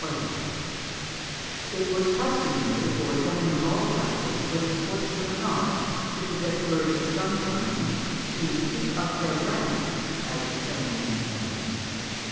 ] It was customary for gentlemen of all classes, whether sportsmen or not, to possess birds of some kind, "to keep up their rank," as the saying then was.